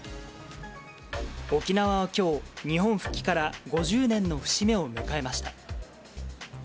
沖縄はきょう、日本復帰から５０年の節目を迎えました。